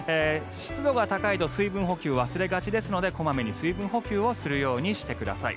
湿度が高いと水分補給を忘れがちですので小まめに水分補給をするようにしてください。